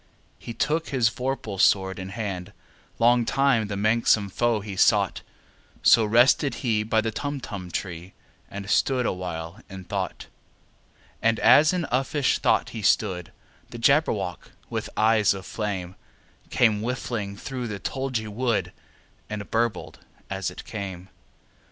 He took his vorpal sword in hand: Long time the manxome foe he sought— So rested he by the Tumtum tree, And stood awhile in thought. And as in uffish thought he stood, The Jabberwock, with eyes of flame, Came whiffling through the tulgey wood, And burbled as it came!